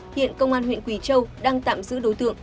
hiện công an huyện quỳ châu đang tạm giữ đối tượng